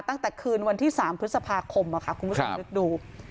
ตั้งแต่คืนวันที่๓พฤษภาคมคุณผู้ชมนึกดู